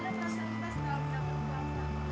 mbak gimana rasa kita setelah kita berpura pura sama kalian